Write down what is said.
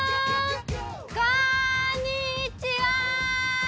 こんにちは！